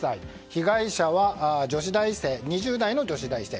被害者は２０代の女子大生。